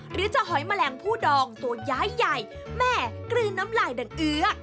หรือจะหอยแมลงผู้ดองตัวย้ายใหญ่แม่กลืนน้ำลายดังเอื้อ